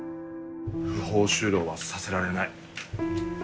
不法就労はさせられない。